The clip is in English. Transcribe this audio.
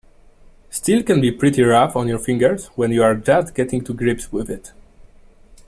Steel can be pretty rough on your fingers when you're just getting to grips with it.